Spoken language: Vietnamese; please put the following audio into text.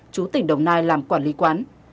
chú tỉnh đồng nai làm quản lý quán